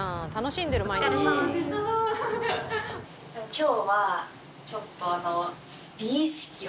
今日はちょっとあの。